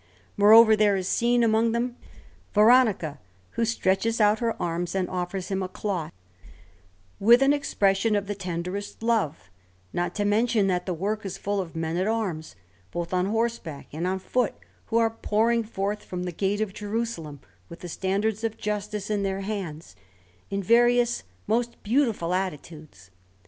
Moreover, there is seen among them Veronica, who stretches out her arms and offers Him a cloth, with an expression of the tenderest love, not to mention that the work is full of men at arms both on horseback and on foot, who are pouring forth from the gate of Jerusalem with the standards of justice in their hands, in various most beautiful attitudes.